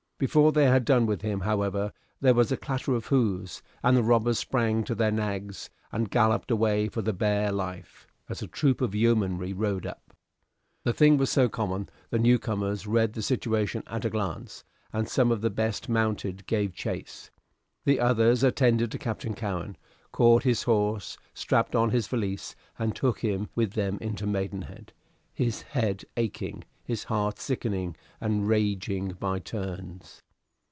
Before they had done with him, however, there was a clatter of hoofs, and the robbers sprang to their nags, and galloped away for the bare life as a troop of yeomanry rode up. The thing was so common, the newcomers read the situation at a glance, and some of the best mounted gave chase. The others attended to Captain Cowen, caught his horse, strapped on his valise, and took him with them into Maidenhead, his head aching, his heart sickening and raging by turns.